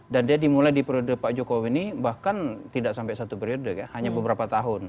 dan dia dimulai di periode pak jokowi ini bahkan tidak sampai satu periode hanya beberapa tahun